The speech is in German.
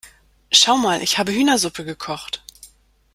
Schau mal, ich habe Hühnersuppe gekocht.